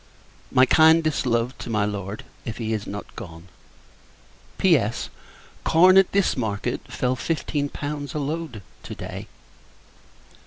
My kindest love to my Lord, if he is not gone. P.S. Corn, at this market, fell fifteen pounds a load to day.